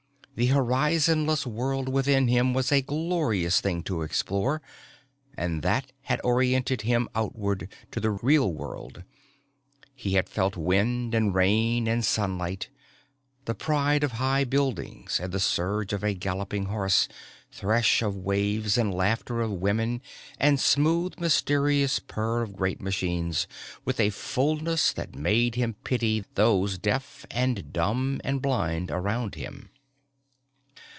The horizonless world within himself was a glorious thing to explore. And that had oriented him outward to the real world he had felt wind and rain and sunlight, the pride of high buildings and the surge of a galloping horse, thresh of waves and laughter of women and smooth mysterious purr of great machines, with a fullness that made him pity those deaf and dumb and blind around him.